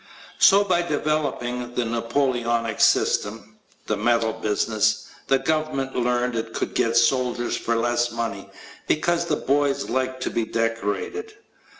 So by developing the Napoleonic system the medal business the government learned it could get soldiers for less money, because the boys liked to be decorated.